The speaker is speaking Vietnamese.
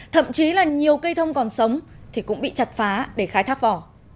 thậm chí là nhiều cây thông còn sống thì cũng bị chặt phá để khai thác vỏ